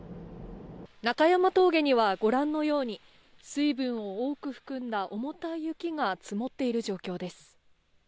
中山峠にはご覧のように、水分を多く含んだ重たい雪が積もっている状況です。